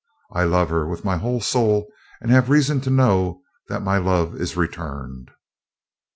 I love her with my whole soul, and have reason to know that my love is returned."